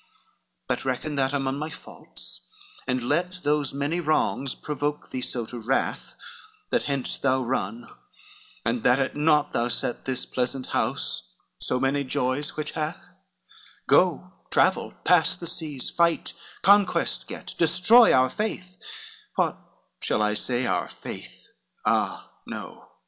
XLVI "But reckon that among, my faults, and let Those many wrongs provoke thee so to wrath, That hence thou run, and that at naught thou set This pleasant house, so many joys which hath; Go, travel, pass the seas, fight, conquest get, Destroy our faith, what shall I say, our faith? Ah no!